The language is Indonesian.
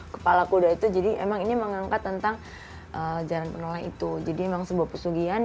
kepala kuda itu jadi emang ini mengangkat tentang jalan penola itu jadi memang sebuah pesugian